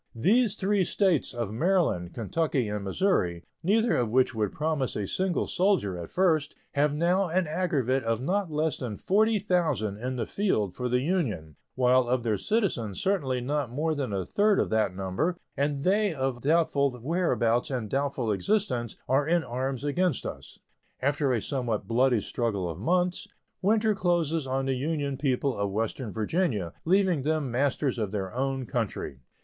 These three States of Maryland, Kentucky, and Missouri, neither of which would promise a single soldier at first, have now an aggregate of not less than 40,000 in the field for the Union, while of their citizens certainly not more than a third of that number, and they of doubtful whereabouts and doubtful existence, are in arms against us. After a somewhat bloody struggle of months, winter closes on the Union people of western Virginia, leaving them masters of their own country.